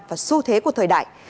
và xu thế của thời đại